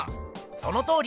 そのとおり！